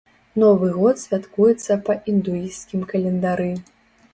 Новы год святкуецца па індуісцкім календары.